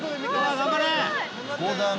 頑張れ！